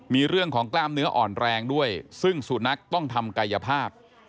มีเรื่องของกล้ามเนื้ออ่อนแรงด้วยซึ่งสุนัขต้องทำกายภาพ